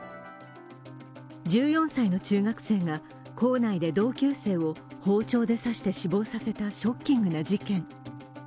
１４歳の中学生が校内で同級生を包丁で刺して死亡させたショッキングな事件。